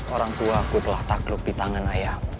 orangtuaku telah takluk di tangan ayahku